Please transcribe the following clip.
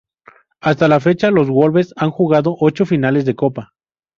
Hasta la fecha los Wolves han jugado ocho finales de Copa.